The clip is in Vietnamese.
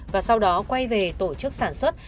và sau đó quay về tổ chức sản xuất